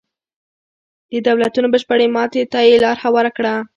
د دولتونو بشپړې ماتې ته یې لار هواره کړه.